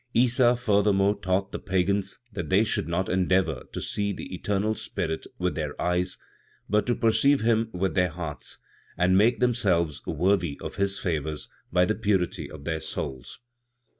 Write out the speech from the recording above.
Issa furthermore taught the Pagans that they should not endeavor to see the eternal Spirit with their eyes; but to perceive Him with their hearts, and make themselves worthy of His favors by the purity of their souls.